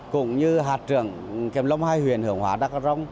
cũng như hạt trưởng kèm long hai huyện hưởng hóa đắk rông